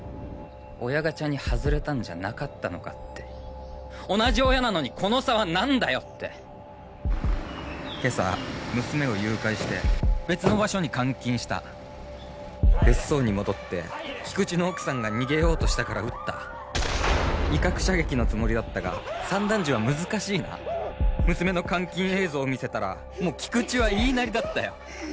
親ガチャに外れたんじゃなかったのかって同じ親なのにこの差は何だよって今朝娘を誘拐して別の場所に監禁した別荘に戻って菊知の奥さんが逃げようとしたから撃った威嚇射撃のつもりだったが散弾銃は難しいな娘の監禁映像を見せたらもう菊知は言いなりだったよ